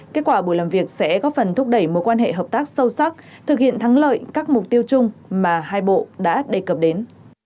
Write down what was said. kết quả buổi làm việc sẽ góp phần thúc đẩy mối quan hệ hợp tác sâu sắc thực hiện thắng lợi các mục tiêu chung mà hai bộ đã đề cập đến